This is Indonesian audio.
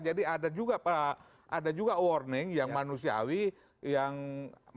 jadi ada juga pak ada juga warning yang manusiawi yang mereka sudah siap siap untuk